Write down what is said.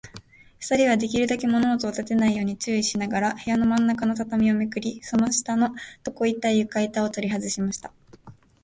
ふたりは、できるだけ物音をたてないように注意しながら、部屋のまんなかの畳をめくり、その下の床板ゆかいたをとりはずしました。